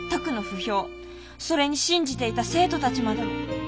それに信じていた生徒たちまで。